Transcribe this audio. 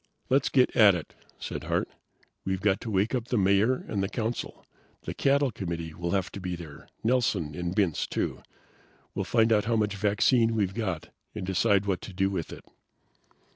"Let's get at it," said Hart. "We've got to wake up the Mayor and the Council. The cattle committee will have to be there. Nelson and Bintz, too. We'll find out how much vaccine we've got and decide what to do with it."